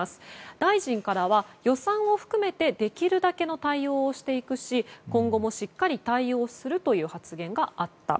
大臣からは予算を含めてできるだけの対応をしていくし今後もしっかり対応するという発言があった。